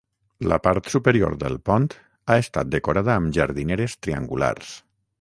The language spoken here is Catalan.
La part superior del pont ha estat decorada amb jardineres triangulars.